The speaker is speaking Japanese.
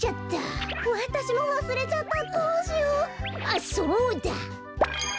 あっそうだ！